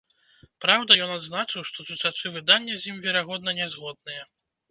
Праўда, ён адзначыў, што чытачы выдання з ім, верагодна, не згодныя.